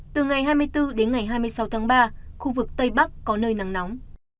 từ ngày hai mươi bốn đến ngày hai mươi sáu tháng ba khu vực tây bắc có nơi nắng nóng